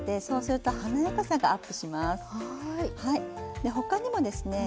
で他にもですね